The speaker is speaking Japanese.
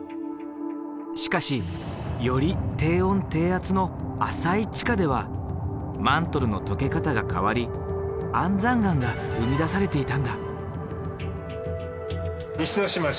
しかしより低温低圧の浅い地下ではマントルの溶け方が変わり安山岩が生み出されていたんだ。